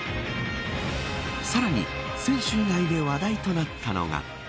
さらに選手以外で話題となったのが。